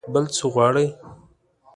بل څه غواړئ؟